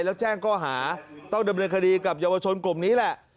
แล้วแจ้งข้อหาต้องดำเนินคดีกับเยาวชนกลุ่มนี้แหละ